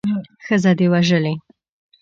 ښځه دې وژلې.